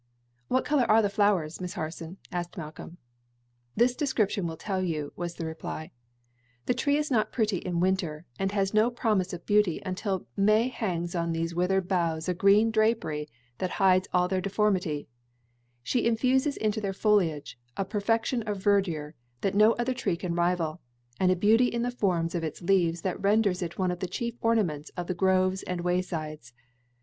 "What color are the flowers, Miss Harson?" asked Malcolm. "This description will tell you," was the reply. "The tree is not pretty in winter, and has no promise of beauty until 'May hangs on these withered boughs a green drapery that hides all their deformity; she infuses into their foliage a perfection of verdure that no other tree can rival, and a beauty in the forms of its leaves that renders it one of the chief ornaments of the groves and waysides.